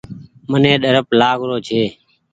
مني ڏرپ لآگ رو ڇي۔